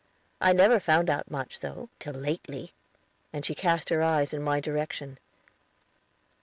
I never found out much, though, till lately"; and she cast her eyes in my direction.